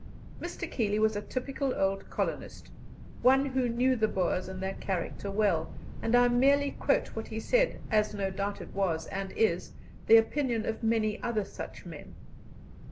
Mr. Keeley was a typical old colonist, one who knew the Boers and their character well, and I merely quote what he said, as no doubt it was, and is, the opinion of many other such men.